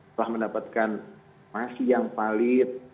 telah mendapatkan masjid yang palit